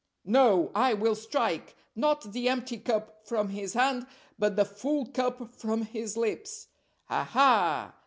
No, I will strike, not the empty cup from his hand, but the full cup from his lips. Aha!